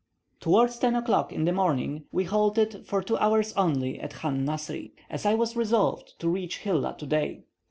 Towards 10 o'clock in the morning, we halted for two hours only at Chan Nasri, as I was resolved to reach Hilla today.